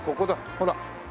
ほら。